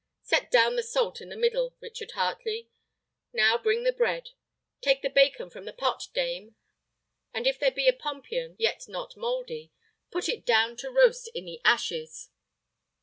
"Set down the salt in the middle, Richard Heartley; now bring the bread; take the bacon from the pot, dame, and if there be a pompion yet not mouldy, put it down to roast in the ashes.